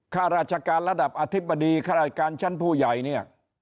ข้าราชการระดับอธิบดีข้าราชการชั้นผู้ใหญ่เนี่ย